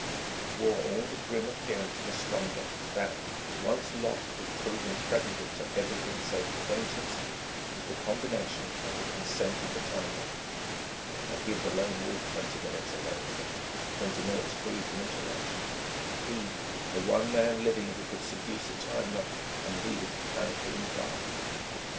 It wore all the grim appearance of a strong box that, once locked, would prove impregnable to everything save acquaintance with the combination and the consent of the time lock. But give the Lone Wolf twenty minutes alone with it, twenty minutes free from interruption he, the one man living who could seduce a time lock and leave it apparently inviolate!...